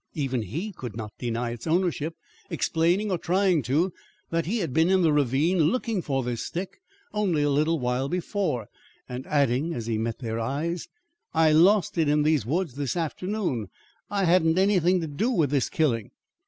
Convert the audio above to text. Even he could not deny its ownership; explaining, or trying to, that he had been in the ravine looking for this stick only a little while before, and adding, as he met their eyes: "'I lost it in these woods this afternoon. I hadn't anything to do with this killing.'